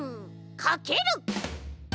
かける！